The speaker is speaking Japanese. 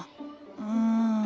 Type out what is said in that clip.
うん。